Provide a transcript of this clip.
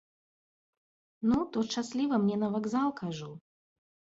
Ну, то шчасліва, мне на вакзал, кажу.